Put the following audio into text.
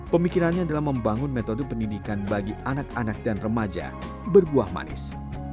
pemikirannya adalah membangun metode pendidikan bagi anak anak dan remaja berbuah manis